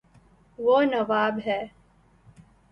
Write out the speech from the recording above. وہ نواب ہے